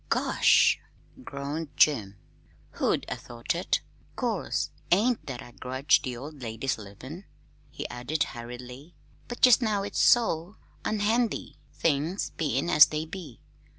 "Gosh!" groaned Jim. "Who'd 'a' thought it? 'Course 't ain't that I grudge the old lady's livin'," he added hurriedly, "but jest now it's so unhandy, things bein' as they be.